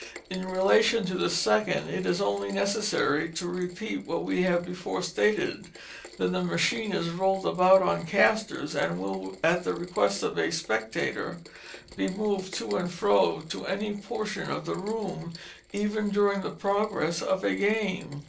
In relation to the second it is only necessary to repeat what we have before stated, that the machine is rolled about on castors, and will, at the request of a spectator, be moved to and fro to any portion of the room, even during the progress of a game.